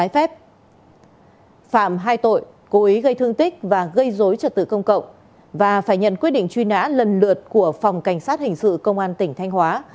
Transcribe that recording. phạm hai tội cố ý gây thương tích và gây dối trật tự công cộng và phải nhận quyết định truy nã lần lượt của phòng cảnh sát hình sự công an tỉnh thanh hóa